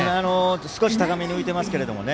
少し高めに浮いてますけれどもね。